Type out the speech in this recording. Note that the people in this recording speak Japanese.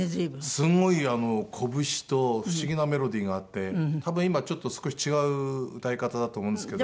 すごいあのこぶしと不思議なメロディーがあって多分今ちょっと少し違う歌い方だと思うんですけど。